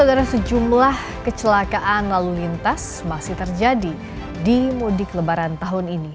ada sejumlah kecelakaan lalu lintas masih terjadi di mudik lebaran tahun ini